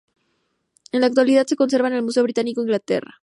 En la actualidad se conserva en el Museo Británico, Inglaterra.